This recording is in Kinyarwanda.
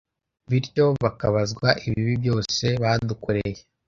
bityo bakabazwa ibibi byose badukoreye